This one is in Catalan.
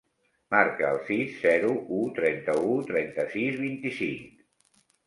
Marca el sis, zero, u, trenta-u, trenta-sis, vint-i-cinc.